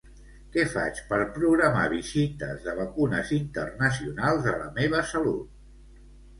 Què faig per programar visites de vacunes internacionals a La meva salut?